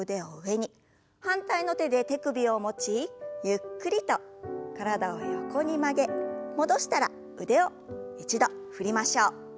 反対の手で手首を持ちゆっくりと体を横に曲げ戻したら腕を一度振りましょう。